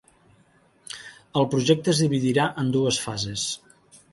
El projecte es dividirà en dues fases.